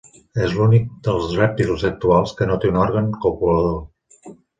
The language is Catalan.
És l'únic dels rèptils actuals que no té un òrgan copulador.